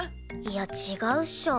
いや違うっしょ。